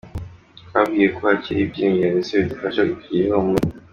Twabwiwe ko hakiri ibyiringiro ndetse bidufasha kugira ihumure.